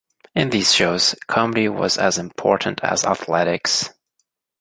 In these shows, comedy was as important as athletics.